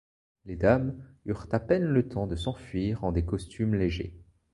Les dames eurent à peine le temps de s'enfuir en des costumes légers.